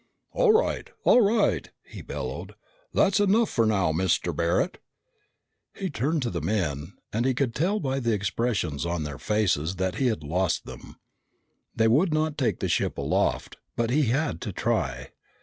"All right, all right!" he bellowed. "That's enough for now, Mister Barret!" He turned to the men and he could tell by the expressions on their faces that he had lost them. They would not take the ship aloft. But he had to try.